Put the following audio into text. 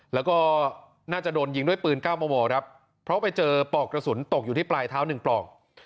แล้วก็น่าจะโดนยิงด้วยปืน๙มมครับเพราะไปเจอปลอกกระสุนตกอยู่ที่ปลายเท้า๑ปลอก